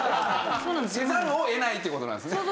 せざるをえないって事なんですね。